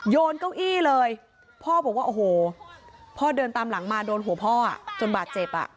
โยนเก้าอี้เลยพ่อบอกว่าโอ้โหพ่อเดินตามหลังมาโดนหัวพ่อจนบาดเจ็บอ่ะ